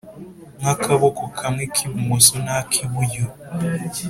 n’akaboko kamwe k’ibumoso na kiburyo